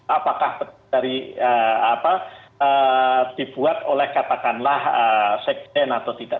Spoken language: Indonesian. apakah dari dibuat oleh katakanlah sekjen atau tidak